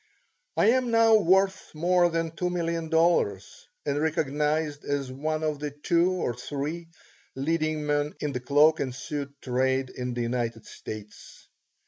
I am now worth more than two million dollars and recognized as one of the two or three leading men in the cloak and suit trade in the United States.